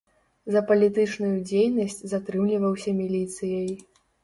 За палітычную дзейнасць затрымліваўся міліцыяй.